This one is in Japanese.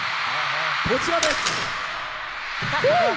こちらです。